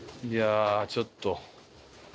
いやあちょっと。